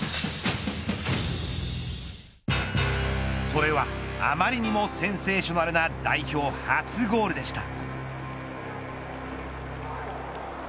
それはあまりにもセンセーショナルな代表初ゴールでした。